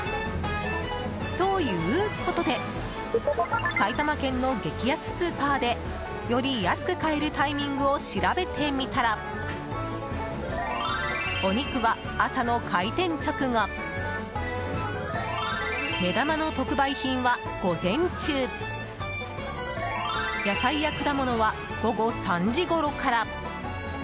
ということで埼玉県の激安スーパーでより安く買えるタイミングを調べてみたらお肉は朝の開店直後目玉の特売品は午前中野菜や果物は、午後３時ごろから。